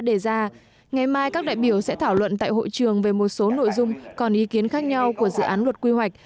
đề ra ngày mai các đại biểu sẽ thảo luận tại hội trường về một số nội dung còn ý kiến khác nhau của dự án luật quy hoạch